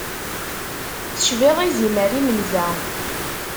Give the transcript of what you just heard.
Tecbiḍ izimer imenza.